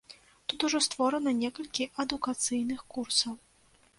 Тут ужо створана некалькі адукацыйных курсаў.